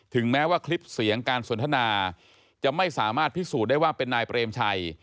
แม้ว่าคลิปเสียงการสนทนาจะไม่สามารถพิสูจน์ได้ว่าเป็นนายเปรมชัย